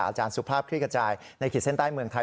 อาจารย์สุภาพคลิกกระจายในขีดเส้นใต้เมืองไทย